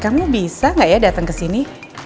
kamu bisa gak ya dateng kesini